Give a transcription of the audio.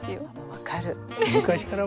分かる。